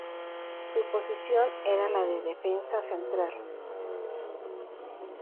Su posición era la de defensa central.